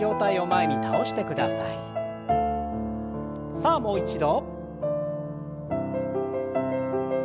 さあもう一度。